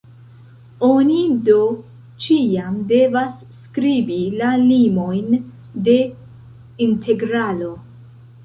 Oni do ĉiam devas skribi la limojn de integralo.